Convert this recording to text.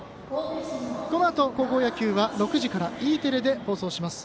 このあと高校野球は６時からＥテレで放送します。